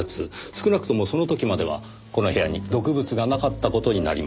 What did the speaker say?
少なくともその時まではこの部屋に毒物がなかった事になります。